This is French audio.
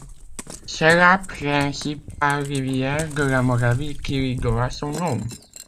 C'est la principale rivière de la Moravie qui lui doit son nom.